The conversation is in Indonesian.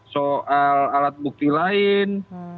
soal alat bukti lain